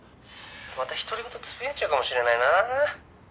「また独り言つぶやいちゃうかもしれないな」